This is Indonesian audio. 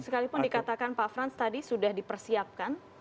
sekalipun dikatakan pak frans tadi sudah dipersiapkan